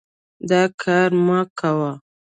دا کار مه کوه.